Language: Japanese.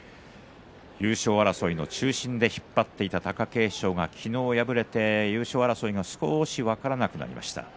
優勝争いの中心で引っ張っていた貴景勝が昨日敗れて優勝争いが少し分からなくなりました。